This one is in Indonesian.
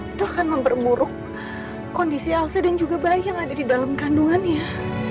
itu akan mempermuruk kondisi alse dan juga bayi yang ada di dalam kandungannya